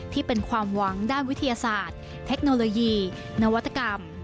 ที่เป็นความหวังด้านวิทยาศาสตร์เทคโนโลยีนวัตกรรม